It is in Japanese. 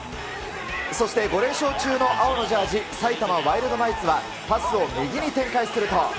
そして５連勝中の青のジャージ、埼玉ワイルドナイツはパスを右に展開すると。